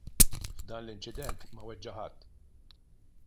F'dan l-inċident ma weġġa' ħadd.